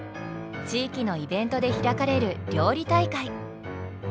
地域のイベントで開かれる料理大会。